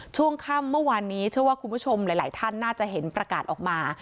ช่วงค่ำเมื่อวานนี้เชื่อว่าคุณผู้ชมหลายท่านน่าจะเห็นประกาศออกมา